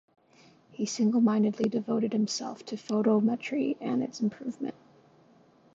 He singlemindedly devoted himself to photometry and its improvement.